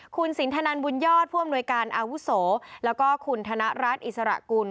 คุณสินทนันบุญยอดผู้อำนวยการอาวุโสแล้วก็คุณธนรัฐอิสระกุล